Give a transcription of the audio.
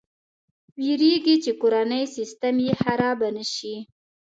ویرېږي چې کورنی سیسټم یې خراب نه شي.